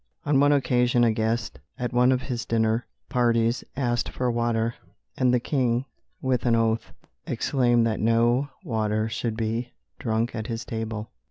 On one occasion a guest at one of his dinner parties asked for water, and the king, with an oath, exclaimed that no water should be drunk at his table.